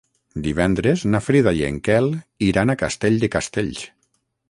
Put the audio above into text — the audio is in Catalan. Divendres na Frida i en Quel iran a Castell de Castells.